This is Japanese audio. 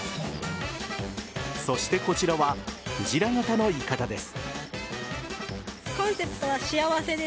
そしてこちらはクジラ形のいかだです。